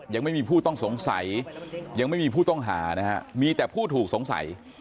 ยังไม่มีผู้ต้องสงสัยยังไม่มีผู้ต้องหานะฮะมีแต่ผู้ถูกสงสัย